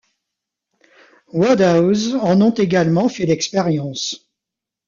Wodehouse en ont également fait l'expérience.